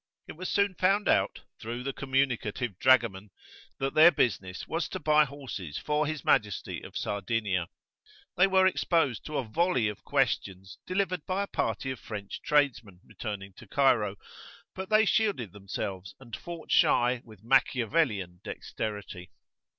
It was soon found out, through the communicative dragoman, that their business was to buy horses for H. M. of Sardinia: they were exposed to a volley of questions delivered by a party of French tradesmen returning to Cairo, but they shielded themselves and fought shy with Machiavellian dexterity.